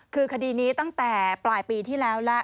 คือคดีนี้ตั้งแต่ปลายปีที่แล้วแล้ว